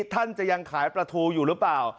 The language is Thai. ท่านจะยังขายปลาทูอยู่หรือเปล่า